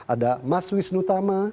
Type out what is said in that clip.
ada mas wisnu thama